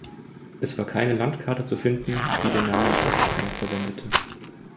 Es war keine Landkarte zu finden, die den Namen „Ostmeer“ verwendete.